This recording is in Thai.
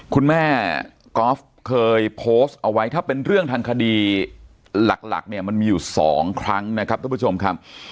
คุณแม่ก๊อฟเคยโพสต์เอาไว้ถ้าเป็นเรื่องทางคดีหลักเนี่ยมันมีอยู่๒ครั้งนะครับทุกผู้ชมครับ